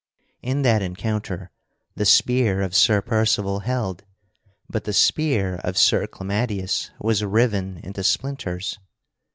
In that encounter the spear of Sir Percival held, but the spear of Sir Clamadius was riven into splinters.